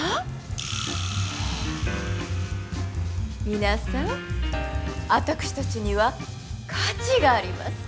皆さん私たちには価値があります。